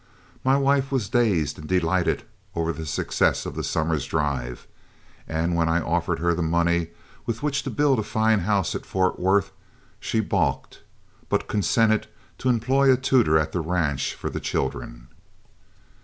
My wife was dazed and delighted over the success of the summer's drive, and when I offered her the money with which to build a fine house at Fort Worth, she balked, but consented to employ a tutor at the ranch for the children.